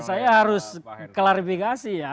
saya harus klarifikasi ya